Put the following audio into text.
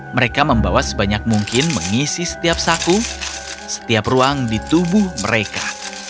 mereka membawa sebanyak mungkin mengisi setiap saku setiap ruang di tubuh mereka